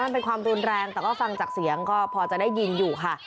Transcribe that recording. มันเป็นความรุนแรงแต่ก็ฟังจากเสียงก็พอจะได้ยินอยู่ค่ะ